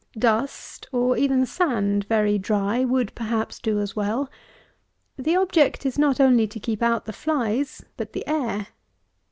Dust, or even sand, very, very dry, would, perhaps, do as well. The object is not only to keep out the flies, but the air.